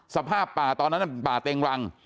สภาพป่าตอนนั้นป่าเต็งรัง